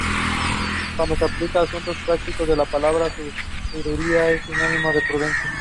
Cuando se aplica a asuntos prácticos, la palabra "sabiduría" es sinónimo de prudencia.